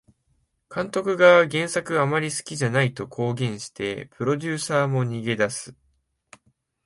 監督が原作あんまり好きじゃないと公言してプロデューサーも逃げ出す